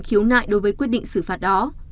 khiếu nại đối với quyết định xử phạt đó